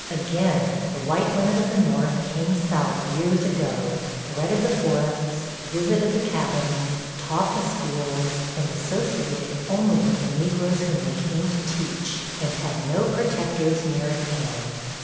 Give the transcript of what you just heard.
Again, the white women of the North came South years ago, threaded the forests, visited the cabins, taught the schools and associated only with the Negroes whom they came to teach, and had no protectors near at hand.